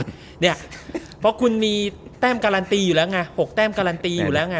เพราะคุณมีแต้มการันตีอยู่แล้วไง๖แต้มการันตีอยู่แล้วไง